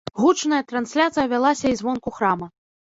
Гучная трансляцыя вялася і звонку храма.